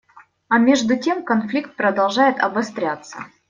А между тем конфликт продолжает обостряться.